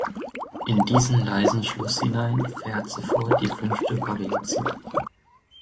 In diesen leisen Schluss hinein fährt sofort die fünfte Variation.